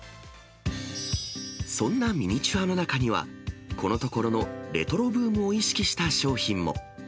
そんなミニチュアの中には、このところのレトロブームを意識した商品も。